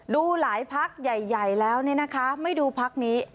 ดูหลายพักใหญ่แล้วเนี่ยนะคะไม่ดูพักนี้